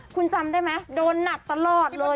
คุณจำได้ไหมโดนหนักตลอดเลย